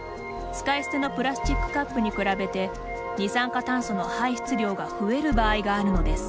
使い捨てのプラスチックカップに比べて二酸化炭素の排出量が増える場合があるのです。